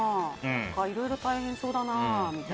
いろいろと大変そうだなみたいな。